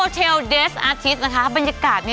รู้ไหมคะว่ามันดี